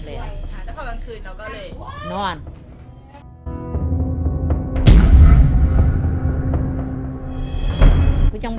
ค่ะแล้วพอกลางคืนเราก็เอาไง